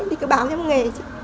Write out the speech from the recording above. thì cứ báo cho một nghề